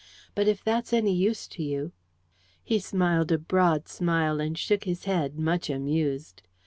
"But if that's any use to you " He smiled a broad smile and shook his head, much amused.